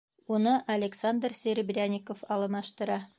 Уны Александр Серебрянников алмаштыра.